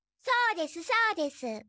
そうですそうです。